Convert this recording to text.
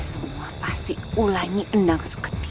semua pasti ulangi endang suketi